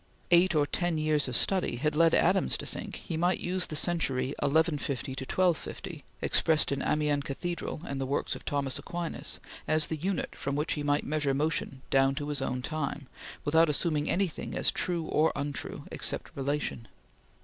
Eight or ten years of study had led Adams to think he might use the century 1150 1250, expressed in Amiens Cathedral and the Works of Thomas Aquinas, as the unit from which he might measure motion down to his own time, without assuming anything as true or untrue, except relation.